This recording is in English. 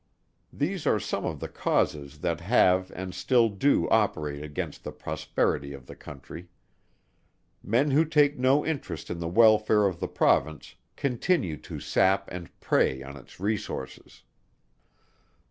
These are some of the causes that have and still do operate against the prosperity of the country. Men who take no interest in the welfare of the province, continue to sap and prey on its resources.